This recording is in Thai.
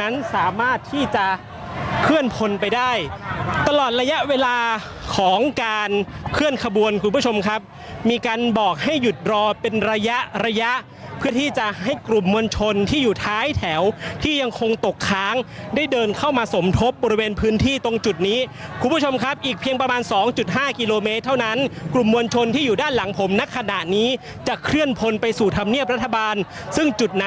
นั้นสามารถที่จะเคลื่อนพลไปได้ตลอดระยะเวลาของการเคลื่อนขบวนคุณผู้ชมครับมีการบอกให้หยุดรอเป็นระยะระยะเพื่อที่จะให้กลุ่มมวลชนที่อยู่ท้ายแถวที่ยังคงตกค้างได้เดินเข้ามาสมทบบริเวณพื้นที่ตรงจุดนี้คุณผู้ชมครับอีกเพียงประมาณสองจุดห้ากิโลเมตรเท่านั้นกลุ่มมวลชนที่อยู่ด้านหลังผมณขณะนี้จะเคลื่อนพลไปสู่ธรรมเนียบรัฐบาลซึ่งจุดนั้น